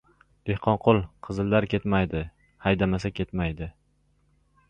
— Dehqonqul! Qizillar ketmaydi, haydamasa ketmaydi.